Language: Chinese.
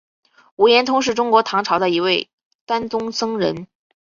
无言通是中国唐朝的一位禅宗僧人。